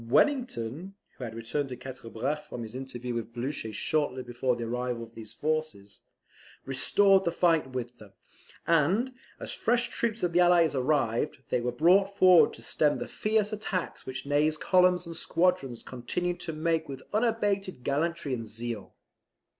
Wellington (who had returned to Quatre Bras from his interview with Blucher shortly before the arrival of these forces) restored the fight with them; and, as fresh troops of the Allies arrived, they were brought forward to stem the fierce attacks which Ney's columns and squadrons continued to make with unabated gallantry and zeal.